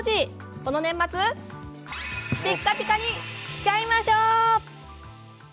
この年末ピカピカにしちゃいましょう。